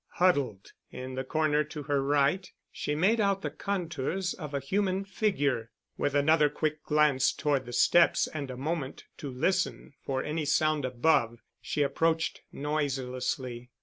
Huddled in the corner to her right, she made out the contours of a human figure. With another quick glance toward the steps and a moment to listen for any sound above, she approached noiselessly.